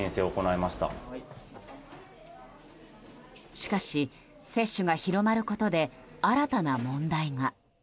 しかし、接種が広まることで新たな問題が。